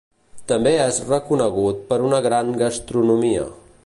També és reconegut per una gran gastronomia.